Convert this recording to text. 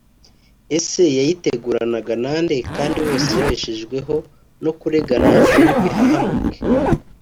ese yayitegurana nande kandi bose babeshejweho no kuregana ari n’ibihahamuke